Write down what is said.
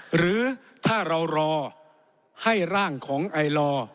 หรือถ้าเรารอให้ร่างของไอลอร์